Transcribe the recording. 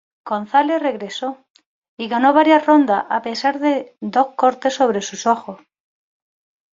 González regresó y ganó varias rondas, a pesar de dos cortes sobre sus ojos.